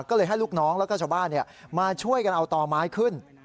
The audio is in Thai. ก็เลยให้ลูกน้องแล้วก็ชาวบ้านมาช่วยกันเอาต่อไม้ขึ้น